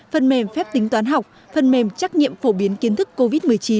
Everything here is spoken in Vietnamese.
phần mềm phép tính toán học phần mềm trách nhiệm phổ biến kiến thức covid một mươi chín